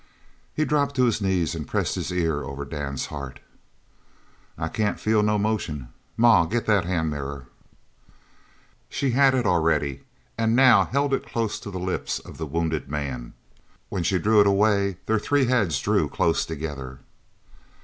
He dropped to his knees and pressed his ear over Dan's heart. "I can't feel no motion. Ma, get that hand mirror " She had it already and now held it close to the lips of the wounded man. When she drew it away their three heads drew close together.